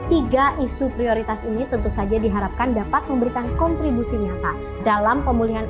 tiga isu prioritas ini tentu saja diharapkan dapat memberikan kontribusi nyata dalam pemulihan ekonomi